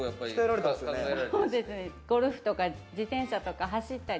ゴルフとか自転車とか走ったり。